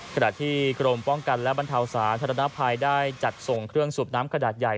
ขณะที่กรมป้องกันและบรรเทาสาธารณภัยได้จัดส่งเครื่องสูบน้ำขนาดใหญ่